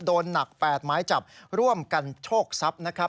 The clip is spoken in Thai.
โดนหนัก๘หมายจับร่วมกันโชคทรัพย์นะครับ